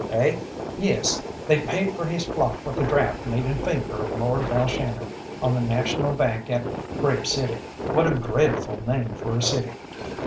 "Eh?" "Yes, they paid for his flock with a draft made in favour of Lord Balshannon, on the National Bank at Grave City. What a dreadful name for a city!